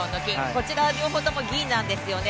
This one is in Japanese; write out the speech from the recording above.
こちら両方とも銀なんですよね。